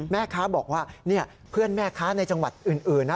แม่ค้าบอกว่าเพื่อนแม่ค้าในจังหวัดอื่นนะ